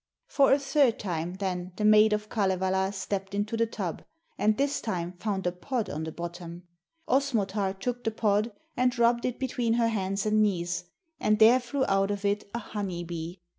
'For a third time, then, the maid of Kalevala stepped into the tub, and this time found a pod on the bottom. Osmotar took the pod and rubbed it between her hands and knees, and there flew out of it a honeybee.